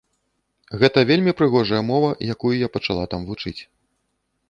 Гэта вельмі прыгожая мова, якую я пачала там вучыць.